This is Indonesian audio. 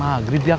udah asar dong